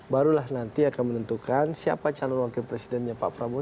barulah nanti akan menentukan siapa calon wakil presidennya pak prabowo